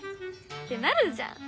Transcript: ってなるじゃん。